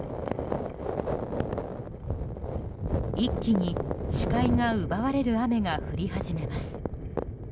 一気に視界が奪われる雨が降り始めます。